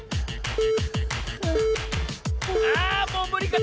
あもうむりか？